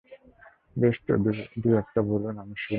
বেশ তো, দু-একটা বলুন, আমি শুনি।